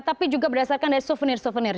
tapi juga berdasarkan dari souvenir souvenir